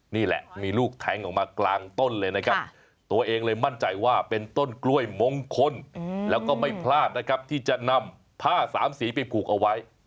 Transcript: นี่แหละมีลูกแทงออกมากลางต้นเลยนะครับตัวเองเลยมั่นใจว่าเป็นต้นกล้วยมงคลแล้วก็ไม่พลาดนะครับที่จะนำผ้าสามสีไปผูกเอาไว้